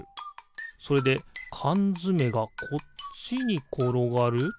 それでかんづめがこっちにころがる？